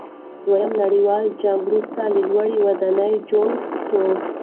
د دویم نړیوال جنګ وروسته لوړې ودانۍ جوړې سوې.